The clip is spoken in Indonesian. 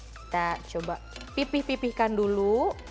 kita coba pipih pipihkan dulu